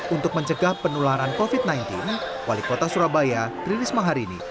untuk mencegah penularan covid sembilan belas wali kota surabaya tririsma harini